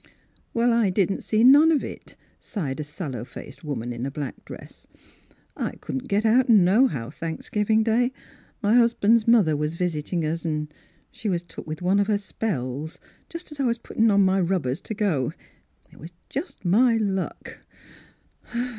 " Well, I didn't see none of it," sighed a sallow faced woman in a black dress. " I couldn't get out no how Thanksgivin' Day. My husban' 's mother was visiting us, an' she was took with one of her spells just as I was putting on my rubbers t' go. It was just my luck."